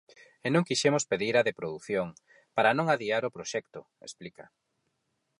E non quixemos pedir a de produción, para non adiar o proxecto, explica.